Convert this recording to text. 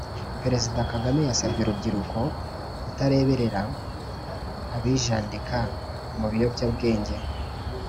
Perezida Kagame yasabye urubyiruko kutareberera abijandika mu biyobyabwenge